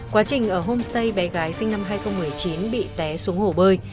quá trình ở homestay bé gái sinh năm hai nghìn một mươi chín bị té xuống hồ bơi